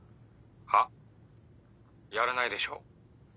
は？やらないでしょ。